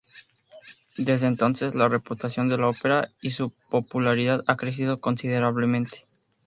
Desde entonces, la reputación de la ópera y su popularidad han crecido considerablemente.